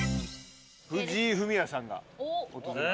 藤井フミヤさんが訪れた。